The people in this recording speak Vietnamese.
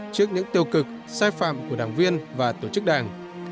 trước những tiêu cực sai phạm của đảng viên và tổ chức đảng